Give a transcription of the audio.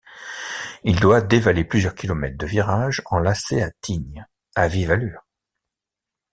Il doit dévaler plusieurs kilomètres de virages en lacets à Tignes, à vive allure.